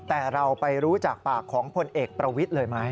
แต่เราไปรู้จากปากของพลเอกประวิทย์เลยไหม